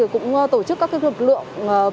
cũng tổ chức các cái lực lượng